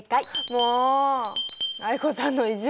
もう藍子さんの意地悪。